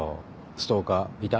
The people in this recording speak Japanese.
ストーカーいた？